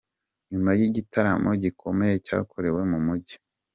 Nyuma yigitaramo gikomeye cyakorewe mu mujyi